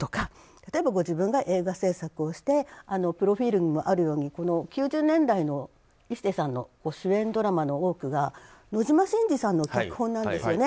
例えばご自身が映画製作をしてプロフィールにもあるように９０年代の壱成さんの主演ドラマの多くが野島伸司さんの脚本なんですね。